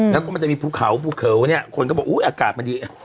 แล้วก็มันจะมีภูเขาภูเขาเนี่ยคนก็บอกอุ๊ยอากาศมันดี